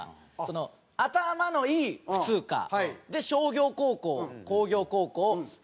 頭のいい普通科で商業高校工業高校ま